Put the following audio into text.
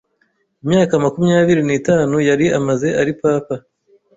imyaka makumyabiri nitanu yari amaze ari Papa